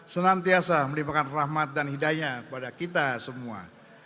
senantiasa melipakan rahmat dan hidayah pada kita semua